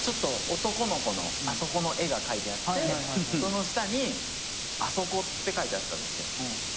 男の子のあそこの絵が描いてあってその下に「あそこ」って書いてあったんですよ。